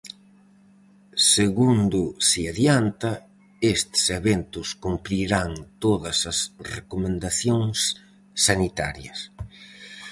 Segundo se adianta, estes eventos cumprirán todas as recomendacións sanitarias.